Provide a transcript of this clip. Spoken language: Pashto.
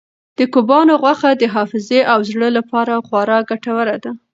د کبانو غوښه د حافظې او زړه لپاره خورا ګټوره ده.